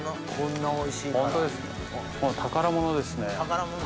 こんなおいしいから。